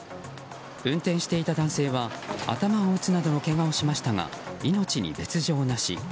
運転していた男性は頭を打つなどのけがをしましたが命に別条なし。